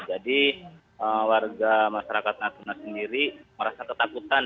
jadi warga masyarakat nasional sendiri merasa ketakutan